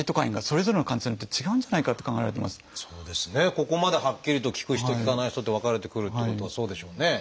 ここまではっきりと効く人効かない人って分かれてくるっていうことはそうでしょうね。